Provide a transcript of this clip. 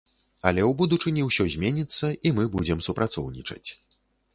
Але ў будучыні ўсё зменіцца і мы будзем супрацоўнічаць.